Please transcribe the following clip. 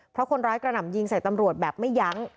เพราะคนร้ายกระหน่ำยิงใส่ตำรวจแบบไม่ยั้ง